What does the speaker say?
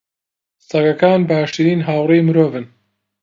سەگەکان باشترین هاوڕێی مرۆڤن.